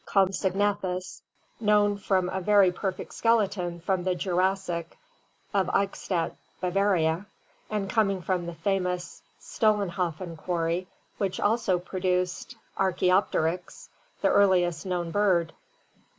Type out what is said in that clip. Compsognathus, known from a very perfect skeleton from the Jurassic of Eichstadt, Bavaria, and coming from the famous Solen hofen quarry which also produced Archaopteryx, the earliest known bird.